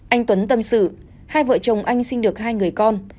anh tuấn tâm sử hai vợ chồng anh sinh được hai người con